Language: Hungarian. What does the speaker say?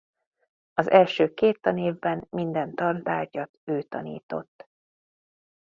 Az első két tanévben minden tantárgyat ő tanított.